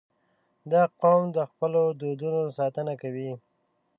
• دا قوم د خپلو دودونو ساتنه کوي.